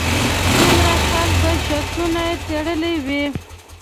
څومره خلکو به شرطونه تړلې وي.